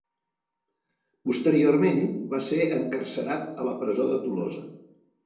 Posteriorment va ser encarcerat a la presó de Tolosa.